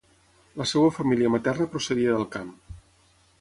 La seva família materna procedia del camp.